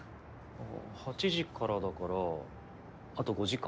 ８時からだからあと５時間。